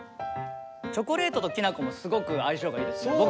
チョコレートときなこもすごく相性がいいですね。